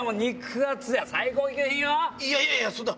いやいやそんな。